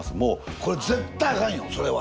これ絶対アカンよそれは。